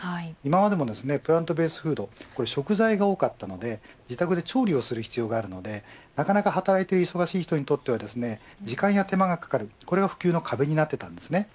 今までもプラントベースフード食材が多かったので自宅で調理をする必要があるのでなかなか働いて忙しい人にとって時間や手間がかかるのが普及の壁になっていました。